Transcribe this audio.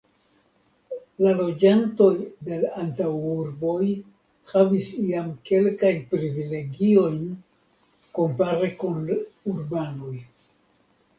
La loĝantoj de l' antaŭurboj havis iam kelkajn privilegiojn kompare kun urbanoj.